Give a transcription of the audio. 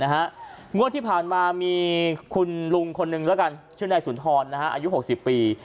งวดที่ผ่านมามีคุณลุงคนนึงแล้วกันชื่อนายสุนทรอายุ๖๐ปี